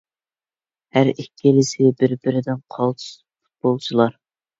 ھەر ئىككىلىسى بىر-بىرىدىن قالتىس پۇتبولچىلار.